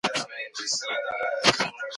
زده کوونکي باید د انټرنیټ په کارولو پوه سي.